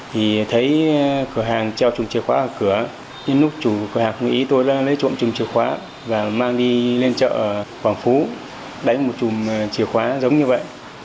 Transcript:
thì thấy cửa hàng treo trùm chìa khóa vào cửa lúc chủ cửa hàng nghĩ tôi lấy trùm trùm chìa khóa và mang đi lên chợ ở quảng phú đánh một trùm chìa khóa giống như vậy